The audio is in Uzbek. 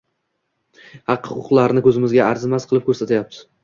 haq-huquqlarni ko‘zimizga arzimas qilib ko‘rsatyapti